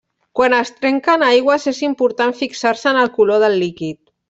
Quan es trenquen aigües és important fixar-se en el color del líquid.